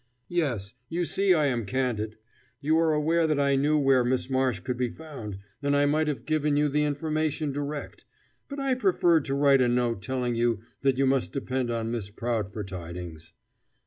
"Yes. You see I am candid. You are aware that I knew where Miss Marsh could be found, and I might have given you the information direct. But I preferred to write a note telling you that you must depend on Miss Prout for tidings."